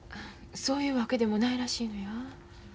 そういうわけでもないらしいのや。